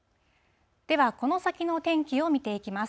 では、この先の天気を見ていきます。